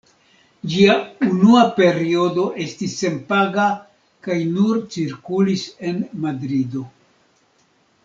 Ĝia unua periodo estis senpaga kaj nur cirkulis en Madrido.